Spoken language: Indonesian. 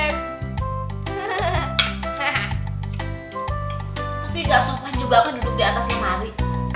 tapi gak sopan juga aku duduk diatas yang mari